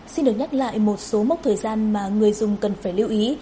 xin được nhắc lại một số mốc thời gian mà người dùng cần phải lưu ý